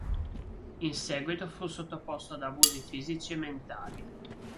In seguito fu sottoposto ad abusi fisici e mentali.